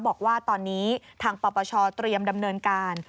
บอกว่าตอนนี้ทางปปชเตรียมดำเนินการ